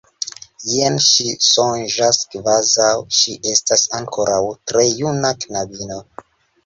Jen ŝi sonĝas, kvazaŭ ŝi estas ankoraŭ tre juna knabino.